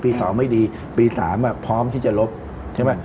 ปีสองไม่ดีปีสามอ่ะพร้อมที่จะลบใช่ไหม